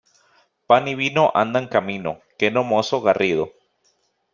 Pan y vino andan camino, que no mozo garrido.